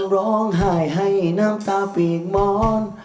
ร้องหายให้น้ำตาเปียกมอน